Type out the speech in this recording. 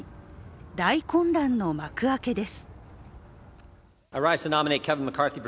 大混乱の幕開けです。